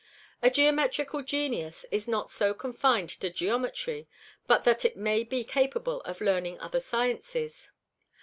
A Geometrical Genius is not so confin'd to Geometry, but that it may be capable of learning other Sciences.